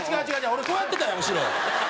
俺こうやってたやん後ろ。